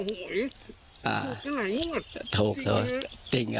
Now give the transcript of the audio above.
ถูกกันไงง่อนจริงนะครับถูกจริงครับ